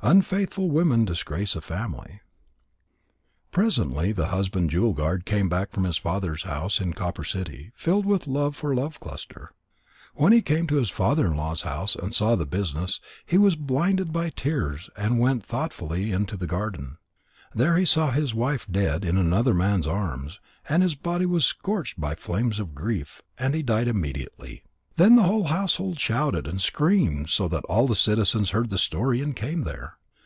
Unfaithful women disgrace a family. Presently the husband Jewel guard came back from his father's house in Copper City, filled with love for Love cluster. When he came to his father in law's house and saw the business, he was blinded by tears and went thoughtfully into the garden. There he saw his wife dead in another man's arms, and his body was scorched by flames of grief, and he died immediately. Then the whole household shouted and screamed so that all the citizens heard the story and came there.